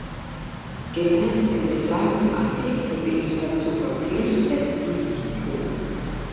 Gemäß dem besagten Artikel bin ich dazu verpflichtet, dies zu tun.